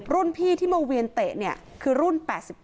รุ่นพี่ที่มาเวียนเตะเนี่ยคือรุ่น๘๙